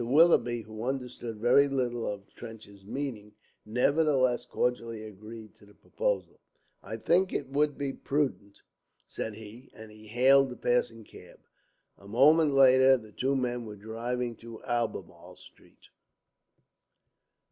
Willoughby, who understood very little of Trench's meaning, nevertheless cordially agreed to the proposal. "I think it would be prudent," said he, and he hailed a passing cab. A moment later the two men were driving to Albemarle Street.